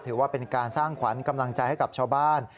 ถือว่าเป็นการสร้างขวัญกำลังใจให้กับชาวบ้าน